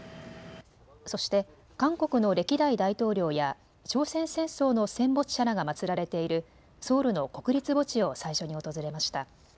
そして韓国の歴代大統領や朝鮮戦争の戦没者らが祭られているソウルの国立墓地を最初に訪れました。